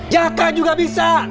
ya kak juga bisa